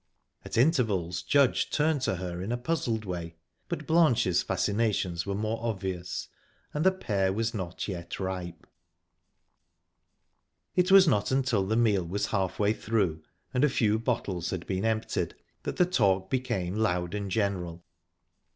At intervals Judge turned to her in a puzzled way, but Blanche's fascinations were more obvious, and the pear was not yet ripe. It was not until the meal was halfway through and a few bottles had been emptied, that the talk became loud and general. Mrs.